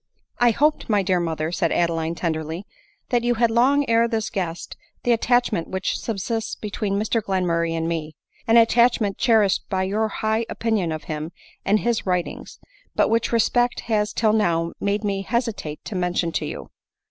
" I hoped, my dear mother," said Adeline tenderly, " that you had long ere this guessed the attachment which subsists between Mr Glenmurray and me; an attach ment cherished by your high opinion of him and his writings ; but which respect has till now made me hesi tate to mention to you."